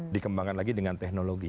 dikembangkan lagi dengan teknologi